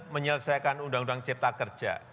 menyelesaikan undang undang cipta kerja